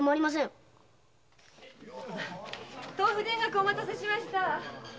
お待たせしました！